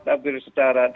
tampil secara detail